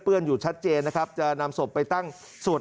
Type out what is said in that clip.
เป็นพัฒนาที่ร้านค่ะแต่ก็คือแต่สนิทกันทุกคน